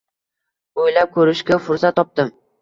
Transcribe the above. O`ylab ko`rishga fursat topdim